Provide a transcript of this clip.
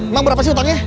emang berapa sih utangnya